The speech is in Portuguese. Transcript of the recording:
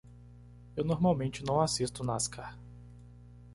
Eu normalmente não assisto Nascar.